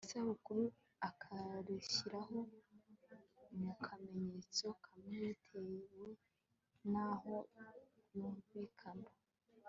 isaku akarishyiraho mu kamenyetso kamwe bitewe n'aho ryumvikana